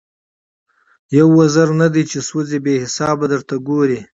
یو وزر نه دی چي سوځي بې حسابه درته ګوري